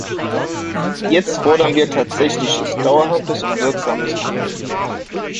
Jetzt fordern wir tatsächliches, dauerhaftes und wirksames Handeln.